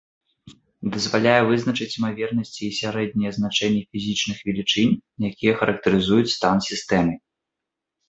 Дазваляе вызначыць імавернасці і сярэднія значэнні фізічных велічынь, якія характарызуюць стан сістэмы.